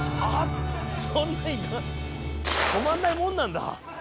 止まんないもんなんだ？